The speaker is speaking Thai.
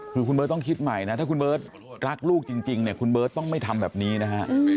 คือคุณเบิร์ตต้องคิดใหม่นะถ้าคุณเบิร์ตรักลูกจริงเนี่ยคุณเบิร์ตต้องไม่ทำแบบนี้นะฮะ